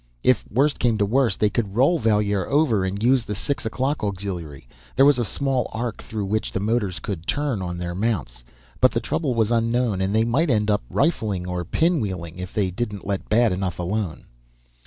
If worst came to worst, they could roll Valier over and use the six o'clock auxiliary; there was a small arc through which the motors could turn on their mounts. But the trouble was unknown, and they might end up rifling or pinwheeling if they didn't let bad enough alone.